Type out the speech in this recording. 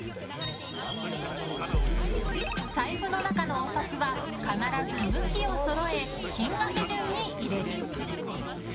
財布の中のお札は必ず向きをそろえ金額順に入れる。